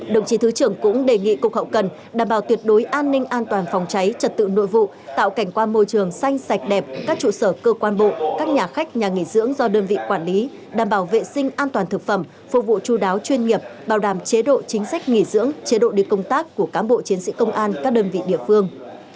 đồng chí thứ trưởng cũng đề nghị cục hậu cần đảm bảo tuyệt đối an ninh an toàn phòng cháy trật tự nội vụ tạo cảnh quan môi trường xanh sạch đẹp các trụ sở cơ quan bộ các nhà khách nhà nghỉ dưỡng do đơn vị quản lý đảm bảo vệ sinh an toàn thực phẩm phục vụ chú đáo chuyên nghiệp bảo đảm chế độ chính sách nghỉ dưỡng chế độ đi công tác của cám bộ chiến sĩ công an các đơn vị địa phương